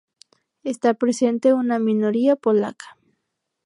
Está presente una minoría polaca.